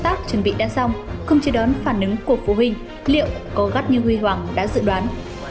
tác chuẩn bị đã xong không chế đón phản ứng của phụ huynh liệu có gắt như huy hoàng đã dự đoán